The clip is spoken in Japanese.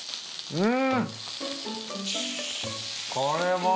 うん！